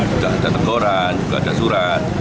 sudah ada teguran juga ada surat